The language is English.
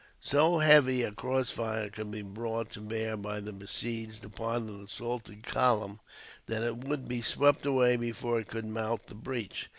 So heavy a crossfire could be brought to bear by the besieged upon an assaulting column, that it would be swept away before it could mount the breach.